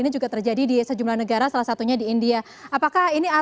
jadi bukan target kita